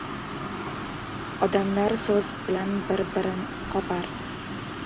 Odamlar so‘z bilan bir-birin qopar.